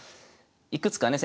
いくつかね